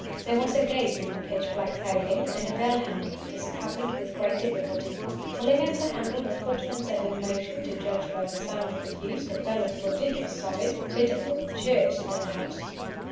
There was a gate in the pitch black paling, and a bell handle discovered with great difficulty. Pulling at the handle, the footman set in motion, to judge by the sound produced, a bell of prodigious size, fitter for a church than a house.